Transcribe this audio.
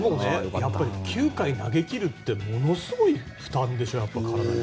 でも、９回投げ切るってものすごい負担でしょ、体に。